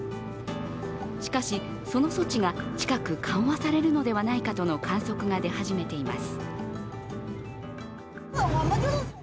しかし、その措置が近く緩和されるのではないかとの観測が出始めています。